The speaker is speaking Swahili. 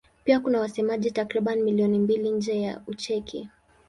Pia kuna wasemaji takriban milioni mbili nje ya Ucheki.